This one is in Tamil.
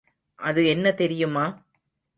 அது என்ன தெரியுமா?